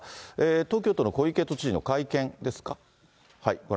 東京都の小池都知事の会見ですか？